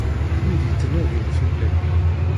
Wid yettnadin fell-ak.